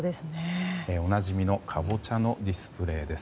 おなじみのカボチャのディスプレーです。